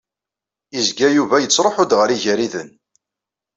Izga Yuba ittruḥu-d ɣer Igariden.